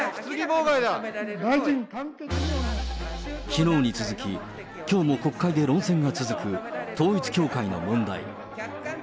きのうに続き、きょうも国会で論戦が続く統一教会の問題。